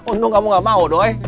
untung kamu gak mau dong